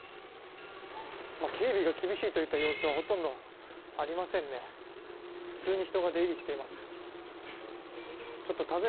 警備が厳しいといった様子はほとんどありませんね。